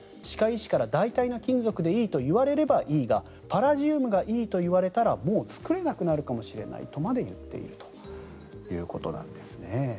歯科医師から代替の金属でいいと言われればいいがパラジウムがいいと言われたらもう作れなくなるかもしれないとまで言っているということなんです。